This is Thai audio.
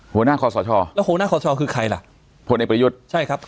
หัวหน้าคอสชแล้วหัวหน้าคอชอคือใครล่ะพลเอกประยุทธ์ใช่ครับ